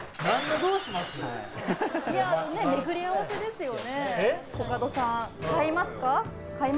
巡り合わせですよね。